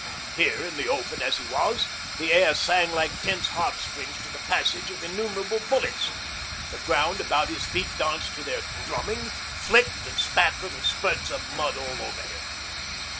Here, in the open as he was, the air sang like tense harp strings to the passage of innumerable bullets, the ground about his feet danced to their drumming, flicked and spat little spurts of mud all over him.